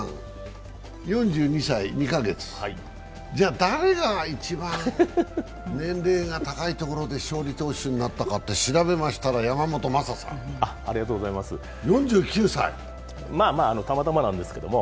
じゃあ誰が一番年齢が高いところで勝利投手になったか調べましたら山本昌さん、たまたまなんですけども。